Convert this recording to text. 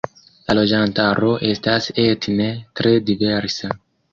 La loĝantaro estas etne tre diversa.